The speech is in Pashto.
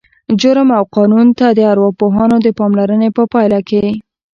جرم او قانون ته د ارواپوهانو د پاملرنې په پایله کې